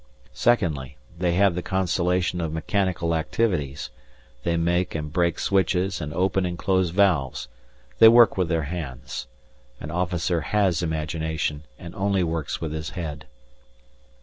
Secondly, they have the consolation of mechanical activities; they make and break switches and open and close valves they work with their hands. An officer has imagination, and only works with his head.